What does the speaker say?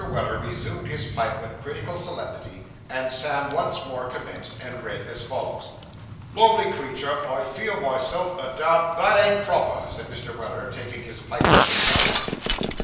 Weller resumed his pipe with critical solemnity, and Sam once more commenced, and read as follows: '"Lovely creetur I feel myself a damned "' That ain't proper,' said Mr. Weller, taking his pipe from his mouth.